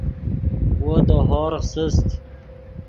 وو دے ہورغ سست